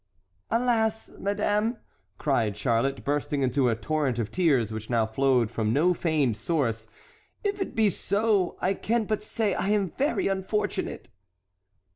"Alas, madame," cried Charlotte, bursting into a torrent of tears which now flowed from no feigned source, "if it be so, I can but say I am very unfortunate!"